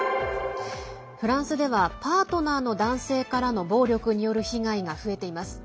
フランスではパートナーの男性からの暴力による被害が増えています。